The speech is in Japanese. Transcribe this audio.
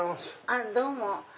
あっどうも。